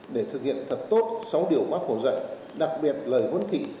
để thực hiện thật tốt sáu điều bác hồ dạy đặc biệt lời huấn thị